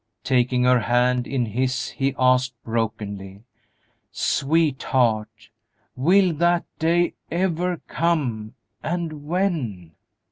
Taking her hand in his, he asked, brokenly, "Sweetheart, will that day ever come, and when?"